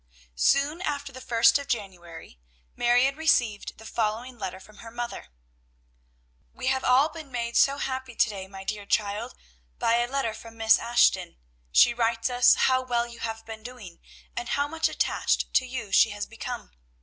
Soon after the first of January, Marion received the following letter from her mother: "We have all been made so happy to day, my dear child, by a letter from Miss Ashton. She writes us how well you have been doing, and how much attached to you she has become.